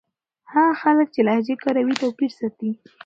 هغه خلک چې لهجې کاروي توپير ساتي.